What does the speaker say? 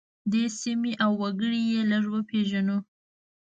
دې سیمې او وګړي یې لږ وپیژنو.